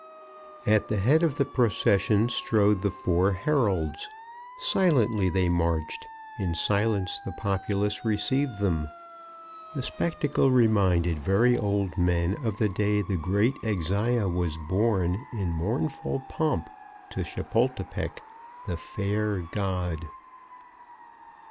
At the head of the procession strode the four heralds. Silently they marched, in silence the populace received them. The spectacle reminded very old men of the day the great Axaya was born in mournful pomp to Chapultepec. _The Fair God.